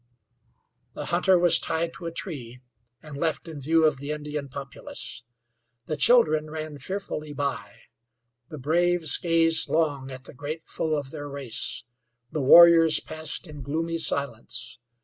The hunter was tied to a tree and left in view of the Indian populace. The children ran fearfully by; the braves gazed long at the great foe of their race; the warriors passed in gloomy silence.